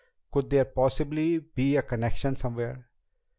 Could there possibly be a connection somewhere?